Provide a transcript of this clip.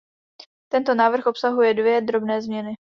Tento návrh obsahuje dvě drobné změny.